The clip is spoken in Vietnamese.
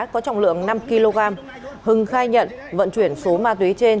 có trọng lượng năm kg hưng khai nhận vận chuyển số ma túy trên